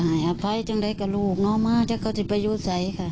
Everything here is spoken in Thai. ให้อภัยจังได้กับลูกน้องมาจากเขาจะไปอยู่ใสค่ะ